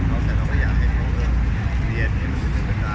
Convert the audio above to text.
พอไปฟันเราก็อยากให้เขาอยู่สี่ว่า